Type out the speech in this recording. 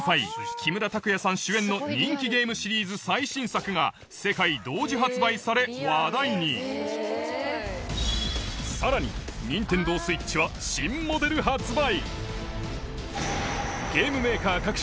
木村拓哉さん主演の人気ゲームシリーズ最新作が世界同時発売され話題にさらには新モデル発売